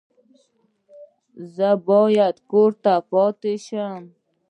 ایا زه باید کور پاتې شم؟